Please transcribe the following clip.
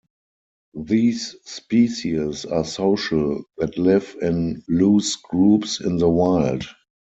These species are social that live in loose groups in the wild.